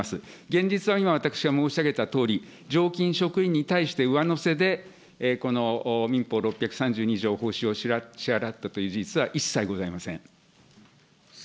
現実は、今私が申し上げたとおり、常勤職員に対して上乗せでこの民法６３２条報酬を支払ったという杉尾秀哉君。